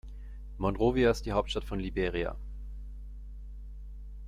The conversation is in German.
Monrovia ist die Hauptstadt von Liberia.